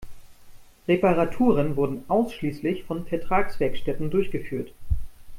Reparaturen wurden ausschließlich von Vertragswerkstätten durchgeführt.